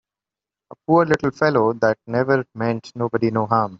A poor little fellow that never meant nobody no harm!